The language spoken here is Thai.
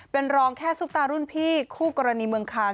เป็นรองแค่ซุปตารุ่นพี่คู่กรณีเมืองคาน